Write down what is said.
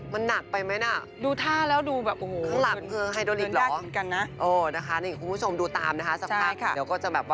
มันหนักไปไหมน่ะข้างหลังคือไฮโดริกส์เหรอโอ้นะคะนี่คุณผู้ชมดูตามนะคะสักครั้งเดี๋ยวก็จะแบบว่า